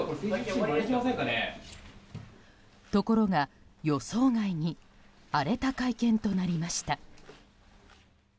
ところが、予想外に荒れた会見となりました。